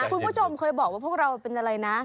คุณผู้ชมเคยบอกว่าพวกเราเป็นอะไรนะ